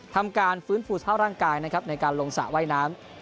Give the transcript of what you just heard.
ทำการฟื้นฟูสะเต้าร่างกายในการลงสระว่ายน้ำ